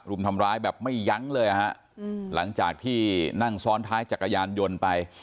รุมทำร้ายแบบไม่ยั้งเลยนะฮะหลังจากที่นั่งซ้อนท้ายจักรยานยนต์ไป